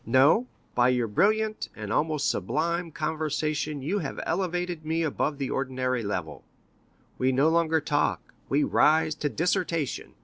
"No; by your brilliant and almost sublime conversation you have elevated me above the ordinary level; we no longer talk, we rise to dissertation.